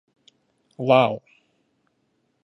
Lal.